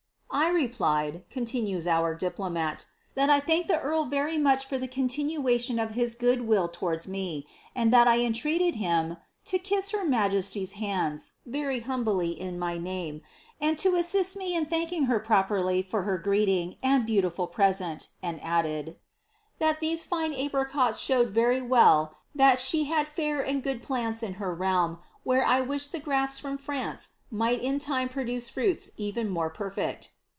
"*" I replied," continues our diplomat, " that I thanked the earl w much for the continuation of his good will towards me; and that tei treated him to kiss her majesty's hands, rcry humbly in my name, aa to assist me in thanking her properly for her grueling, and beautiTl Csent, and added, ' that these fine apricots showed very well that ib I fair and good plants in her realm, where I wished the grafts froi France might in lime produce fruiis even more perfect.'"